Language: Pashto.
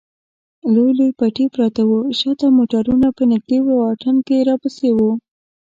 لوی لوی پټي پراته و، شا ته موټرونه په نږدې واټن کې راپسې و.